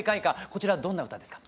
こちらどんな歌ですか？